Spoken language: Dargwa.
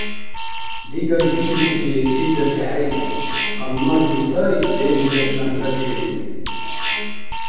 Дигай дихьибсили чилра чехӀейу, аммаки сай лебилра шанта чейу